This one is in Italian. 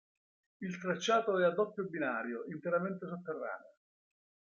Il tracciato è a doppio binario interamente sotterraneo.